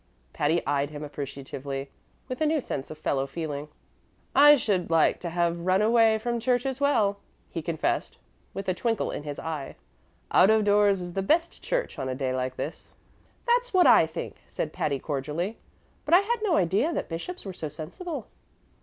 Patty eyed him appreciatively, with a new sense of fellow feeling. "I should like to have run away from church as well," he confessed, with a twinkle in his eye. "Out of doors is the best church on a day like this." "That's what I think," said Patty, cordially; "but I had no idea that bishops were so sensible."